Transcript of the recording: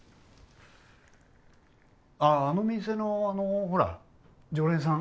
あああの店のあのほら常連さん。